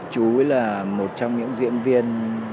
chú ấy là một trong những diễn viên